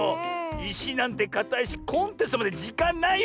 いしなんてかたいしコンテストまでじかんないよ。